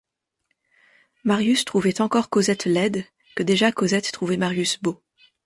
Marius trouvait encore Cosette laide que déjà Cosette trouvait Marius beau.